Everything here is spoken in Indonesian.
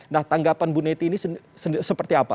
nah tanggapan bu neti ini seperti apa